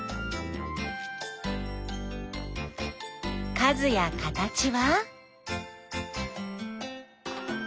数や形は？